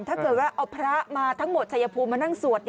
ถ้าเกิดว่าเอาพระมาทั้งหมดชายภูมิมานั่งสวด